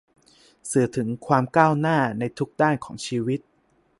สื่อถึงความก้าวหน้าในทุกด้านของชีวิต